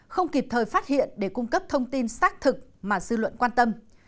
không kịp thời phát hiện để cung cấp thông tin xác thực mà dư luận quan tâm